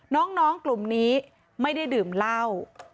น้องกลุ่มนี้ไม่ได้ดื่มเหล้า